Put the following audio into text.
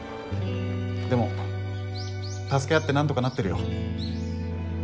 でも助け合ってなんとかなってるよ。